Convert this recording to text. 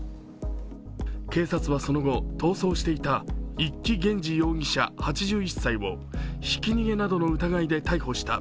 警察はその後、逃走していた一木元二容疑者８１歳をひき逃げなどの疑いで逮捕した。